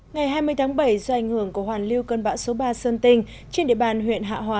ngày hai mươi tháng bảy do ảnh hưởng của hoàn lưu cơn bão số ba sơn tinh trên địa bàn huyện hạ hòa